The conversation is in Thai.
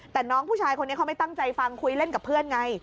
แต่น้องผู้ชายคนนี้เขาไม่ตั้งใจฟังคุยเล่นกับเพื่อนไง